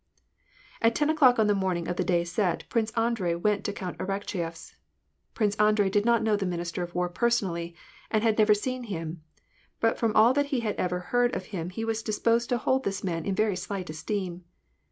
At ten o'clock on the morning of the day set. Prince Andrei went to Count Arakcheyef s. Prince Andrei did not know the minister of war personally, and had never even seen him ; but from all that he had ever heard of him he was disposed to hold this man in very slight esteem.